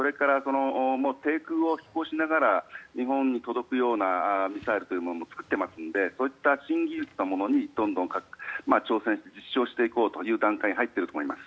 そういったものそれから低空を飛行しながら日本に届くようなミサイルというものも作っていますのでそういった新技術に挑戦していこうという段階に入っていると思います。